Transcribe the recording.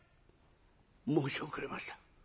申し遅れました。